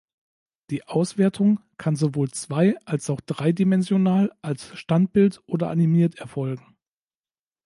Die Auswertung kann sowohl zwei- als auch dreidimensional, als Standbild oder animiert erfolgen.